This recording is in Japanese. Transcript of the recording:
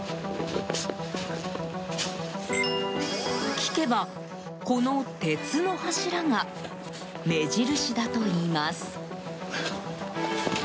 聞けば、この鉄の柱が目印だといいます。